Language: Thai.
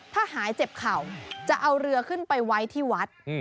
ถ้าหายเจ็บเข่าจะเอาเรือขึ้นไปไว้ที่วัด